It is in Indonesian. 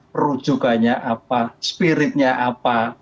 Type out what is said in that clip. perujukannya apa spiritnya apa